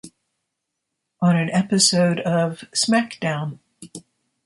On an episode of SmackDown!